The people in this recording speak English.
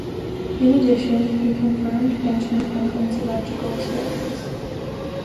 In addition he confirmed Benjamin Franklin's electrical experiments.